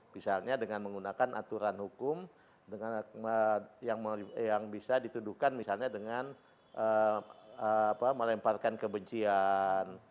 misalnya dengan menggunakan aturan hukum yang bisa dituduhkan misalnya dengan melemparkan kebencian